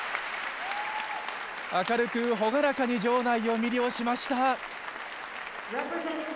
明るく朗らかに場内を魅了しました。